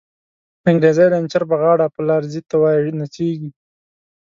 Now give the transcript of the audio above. انگریزی لنچر په غاړه، په لار ځی ته وایی نڅیږی